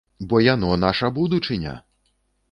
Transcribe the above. Бо яно наша будучыня!